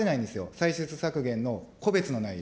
歳出削減の個別の内容。